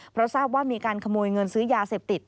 เพราะทราบว่ามีการขโมยเงินซื้อยาเสพติด